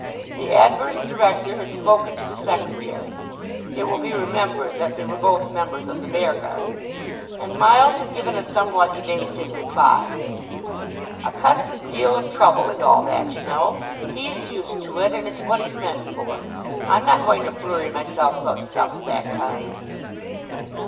The adverse director had spoken to the secretary, it will be remembered that they were both members of the Beargarden, and Miles had given a somewhat evasive reply. "A cussed deal of trouble and all that, you know! He's used to it, and it's what he's meant for. I'm not going to flurry myself about stuff of that kind."